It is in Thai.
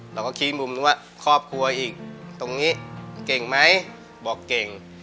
เราก็ชี้มุมนึงว่าครอบครัวอีกตรงนี้เก่งไหมบอกเก่ง